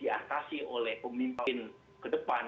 diatasi oleh pemimpin ke depan